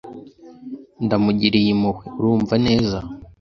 ndamugiriye impuhwe urumva neza